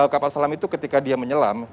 kapal selam itu ketika dia menyelam